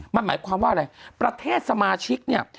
มันหมายความว่าอะไรประเทศสมาชิกเนี่ย